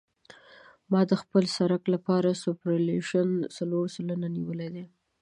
ما د خپل سرک لپاره سوپرایلیویشن څلور سلنه نیولی دی